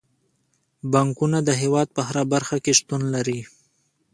بانکونه د هیواد په هره برخه کې شتون لري.